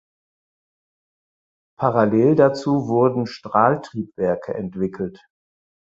Paralell dazu wurden Strahltriebwerk entwickelt.